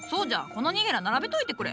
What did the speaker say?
このニゲラ並べといてくれ。